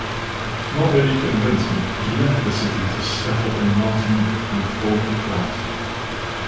Not really convincing, he left the city to settle in Martinique, in Fort-de-France.